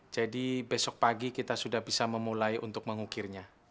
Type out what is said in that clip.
jadi besok pagi kita sudah bisa memotongnya